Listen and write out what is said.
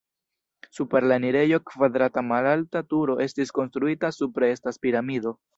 Super la enirejo kvadrata malalta turo estis konstruita, supre estas piramido.